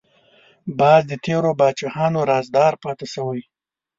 باز د تیرو پاچاهانو رازدار پاتې شوی